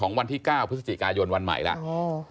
จนเขาตายนะครับ